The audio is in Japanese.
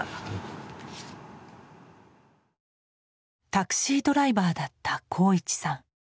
タクシードライバーだった鋼一さん。